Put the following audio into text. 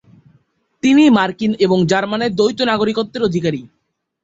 তিনি মার্কিন এবং জার্মানের দ্বৈত নাগরিকত্বের অধিকারী।